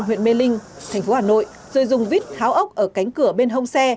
huyện mê linh thành phố hà nội rồi dùng vít tháo ốc ở cánh cửa bên hông xe